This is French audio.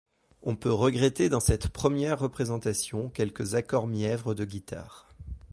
On peut regretter dans cette première représentation quelques accords mièvres de guitare.